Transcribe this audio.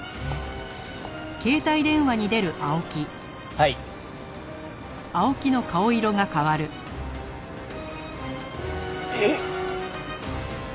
はい。えっ！？